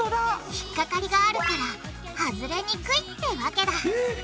引っ掛かりがあるから外れにくいってわけだえっ！